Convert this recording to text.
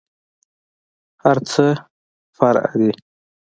هرڅه فرع دي.